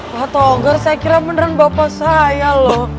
pak togar saya kira beneran bapak saya loh